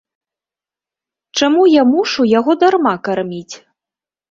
Чаму я мушу яго дарма карміць?